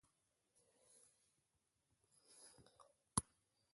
Mmekap ñwañña inua mmenne oyop ye ñkọm owo isitịmmeke ikọt okpo akañ iba.